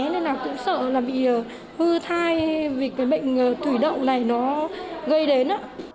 nên là cũng sợ là bị hư thai vì cái bệnh thủy đậu này nó gây đến á